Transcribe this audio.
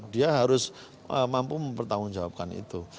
dia harus mampu mempertanggungjawabkan itu